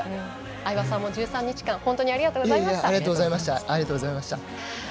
相葉さんも１３日間ありがとうございました。